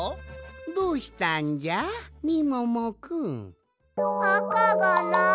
どうしたんじゃみももくん？あかがない。